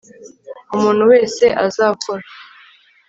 umuntu wese azakora